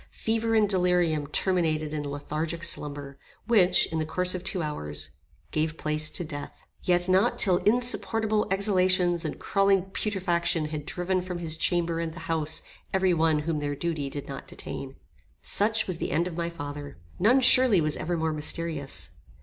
Fever and delirium terminated in lethargic slumber, which, in the course of two hours, gave place to death. Yet not till insupportable exhalations and crawling putrefaction had driven from his chamber and the house every one whom their duty did not detain. Such was the end of my father. None surely was ever more mysterious.